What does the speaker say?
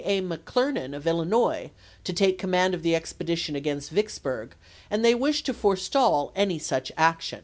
A. McClernand of Illinois to take command of the ex pedition against Vicksburg, and they wished to forestall any such action.